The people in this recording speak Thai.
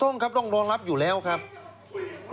มึงมาอยู่นี่ทำไม